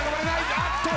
あっと！